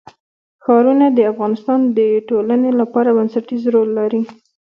ښارونه د افغانستان د ټولنې لپاره بنسټيز رول لري.